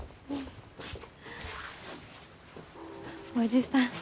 叔父さん。